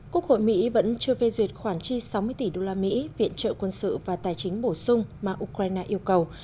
quốc hội mỹ vẫn chưa phê duyệt khoản chi sáu mươi tỷ đô la mỹ viện trợ quân sự và tài chính bổ sung mà ukraine yêu cầu